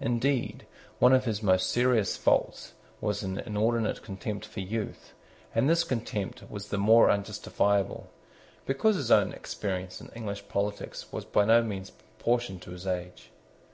Indeed one of his most serious faults was an inordinate contempt for youth: and this contempt was the more unjustifiable, because his own experience in English politics was by no means proportioned to his age.